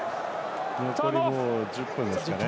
残り１０分ですかね。